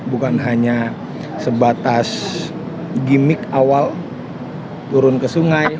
bukan hanya sebatas gimmick awal turun ke sungai